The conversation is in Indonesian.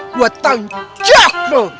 gua tengcoh lu